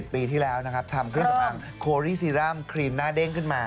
ปีที่แล้วนะครับทำเครื่องสำอางโครี่ซีรั่มครีมหน้าเด้งขึ้นมา